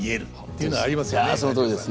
いやそのとおりですね。